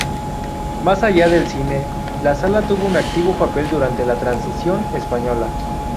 Más allá del cine, la sala tuvo un activo papel durante la Transición Española.